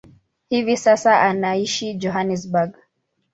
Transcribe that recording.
Hivi sasa anaishi Johannesburg.